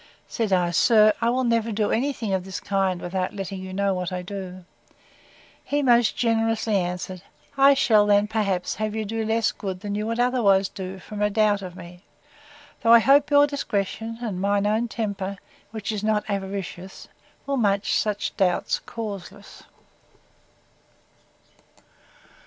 Said I, Sir, I will never do any thing of this kind without letting you know what I do. He most generously answered, I shall then, perhaps, have you do less good than you would otherwise do, from a doubt of me; though, I hope, your discretion, and my own temper, which is not avaricious, will make such doubt causeless.